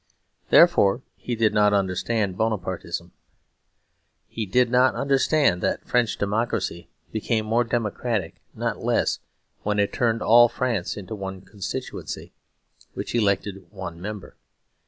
Therefore he did not understand Bonapartism. He did not understand that French democracy became more democratic, not less, when it turned all France into one constituency which elected one member.